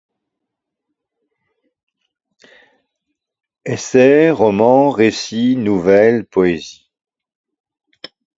Essais, romans, récits, nouvelles, poésie.